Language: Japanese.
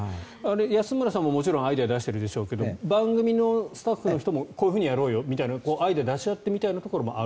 安村さんももちろんアイデアを出しているでしょうが番組のスタッフの方もこういうふうにやろうよみたいなアイデアを出し合ってみたいなところもある。